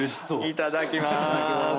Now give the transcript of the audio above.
いただきまーす。